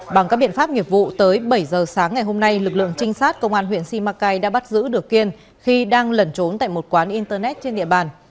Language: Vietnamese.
bằng các biện pháp nghiệp vụ tới bảy giờ sáng ngày hôm nay lực lượng trinh sát công an huyện simacai đã bắt giữ được kiên khi đang lẩn trốn tại một quán internet trên địa bàn